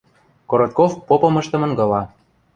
Коротков попымыштым ынгыла.